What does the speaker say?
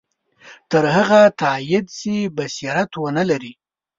تر هغه تایید چې بصیرت ونه لري.